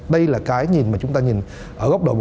đây là cái nhìn mà chúng ta nhìn ở góc độ bốn